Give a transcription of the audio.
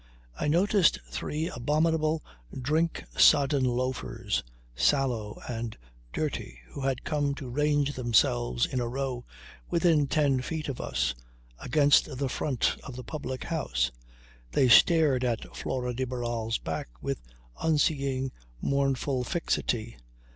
I noticed three abominable, drink sodden loafers, sallow and dirty, who had come to range themselves in a row within ten feet of us against the front of the public house. They stared at Flora de Barral's back with unseeing, mournful fixity.